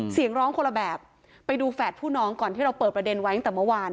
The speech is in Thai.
เสียงร้องคนละแบบไปดูแฝดผู้น้องก่อนที่เราเปิดประเด็นไว้ตั้งแต่เมื่อวาน